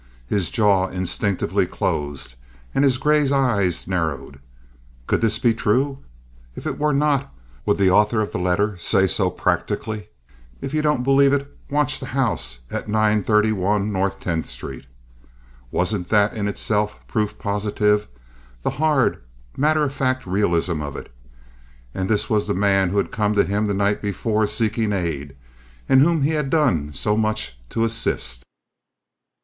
His jaw instinctively closed, and his gray eyes narrowed. Could this be true? If it were not, would the author of the letter say so practically, "If you don't believe it, watch the house at 931 North Tenth Street"? Wasn't that in itself proof positive—the hard, matter of fact realism of it? And this was the man who had come to him the night before seeking aid—whom he had done so much to assist.